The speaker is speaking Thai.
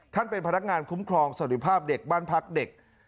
เป็นพนักงานคุ้มครองสวัสดิภาพเด็กบ้านพักเด็ก